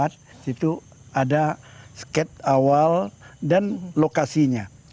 di situ ada sket awal dan lokasinya